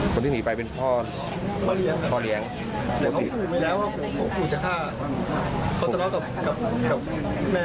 เขาจะล้อดกับแม่แฟนผมแล้วก็ขู่จะฆ่า